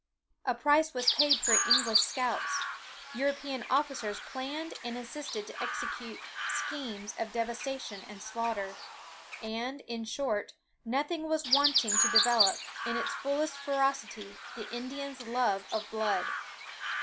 A price was paid for English scalps; European officers planned and assisted to execute schemes of devastation and slaughter; and, in short, nothing was wanting to develop, in its fullest ferocity, the Indian's love of blood.